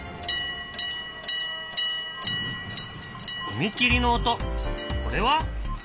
ふみきりの音これは？